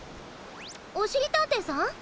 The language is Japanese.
おしりたんていさん？